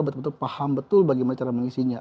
betul betul paham betul bagaimana cara mengisinya